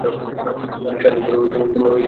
আলিশা, হয়েছেটা কী?